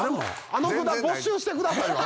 あの札没収してくださいよ